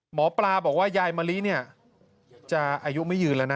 หมอปลาบอกว่ายายมะลิเนี่ยจะอายุไม่ยืนแล้วนะ